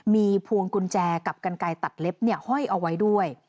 มีพวงกุญแจกับกันไกลตัดเล็บห้อยเอาไว้ด้วย